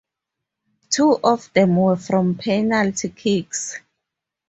Two of them were from penalty kicks.